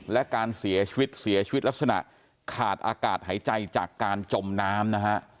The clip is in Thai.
และการเสียชีวิตเสียชีวิตลักษณะขาดอากาศหายใจจากการจมน้ำนะฮะ